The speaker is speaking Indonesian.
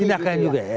tindakan juga ya